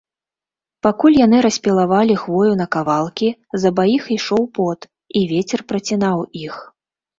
Пакуль яны распілавалі хвою на кавалкі, з абаіх ішоў пот, і вецер працінаў іх.